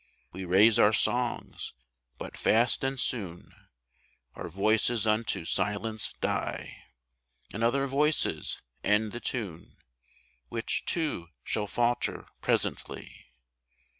We raise our songs, but fast and soon Our voices unto silence die, And other voices end the tune Which, too, shall falter presently.